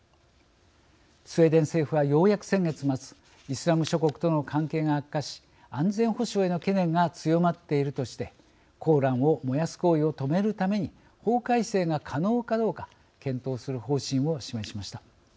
スウェーデン政府はようやく先月末イスラム諸国との関係が悪化し安全保障への懸念が強まっているとして「コーラン」を燃やす行為を止めるために法改正が可能かどうか検討する方針を示しました。